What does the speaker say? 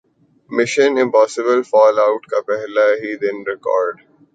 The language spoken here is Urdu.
مشن امپاسیبل فال اٹ کا پہلے ہی دن ریکارڈ